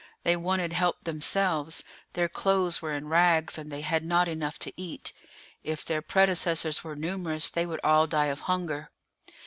They wanted help themselves; their clothes were in rags, and they had not enough to eat. If their predecessors were numerous they would all die of hunger.